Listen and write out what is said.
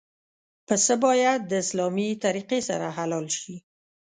پسه باید د اسلامي طریقې سره حلال شي.